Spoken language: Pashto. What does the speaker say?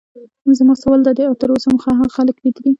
زما سوال دادی: ایا تراوسه مو هغه خلک لیدلي.